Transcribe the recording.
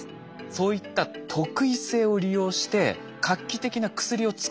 そういった特異性を利用して画期的な薬を作ってしまおう。